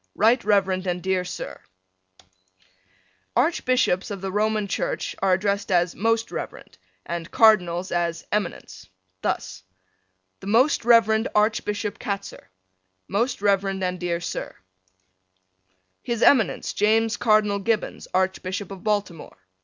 Rt. Rev. and dear Sir: Archbishops of the Roman Church are addressed as Most Reverend and Cardinals as Eminence. Thus: The Most Rev. Archbishop Katzer. Most Rev. and dear Sir: His Eminence, James Cardinal Gibbons, Archbishop of Baltimore.